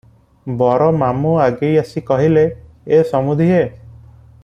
ବର ମାମୁ ଆଗେଇ ଆସି କହିଲେ, "ଏ ସମୁଧିଏ!